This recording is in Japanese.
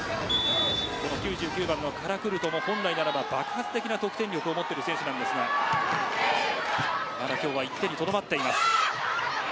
９９番のカラクルトも本来であれば爆発的な得点力を持っている選手ですがただ今日は１点にとどまっています。